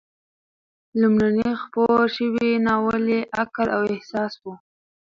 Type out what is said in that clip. لومړنی خپور شوی ناول یې "عقل او احساس" و.